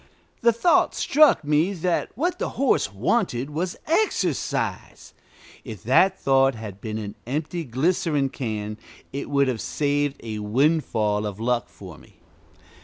The thought struck me that what the horse wanted was exercise. If that thought had been an empty glycerin can, it would have saved a windfall of luck for me.